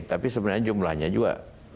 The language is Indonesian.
tapi sebenarnya jumlahnya juga